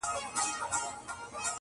چي پرې تايٌید د میني ولګوم داغ یې کړمه,